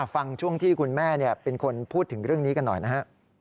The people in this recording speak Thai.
ช่วงที่คุณแม่เป็นคนพูดถึงเรื่องนี้กันหน่อยนะฮะ